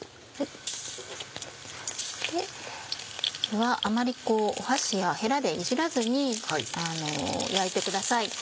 これはあまり箸やヘラでいじらずに焼いてください。